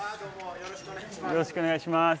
よろしくお願いします。